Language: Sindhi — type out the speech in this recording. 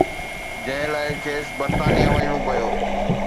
جنهن لاءِ کيس برطانيه وڃڻو پيو